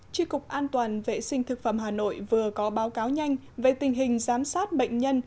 tri cục an toàn vệ sinh thực phẩm hà nội vừa có báo cáo nhanh về tình hình giám sát bệnh nhân